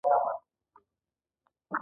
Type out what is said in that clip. د بلخ بازارونه ډیر مشهور وو